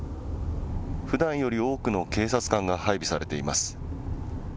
ふだんより多くの警察官が配備されています。